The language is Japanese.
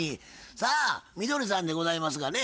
さあみどりさんでございますがね